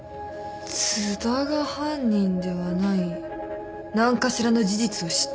津田が犯人ではない何かしらの事実を知った？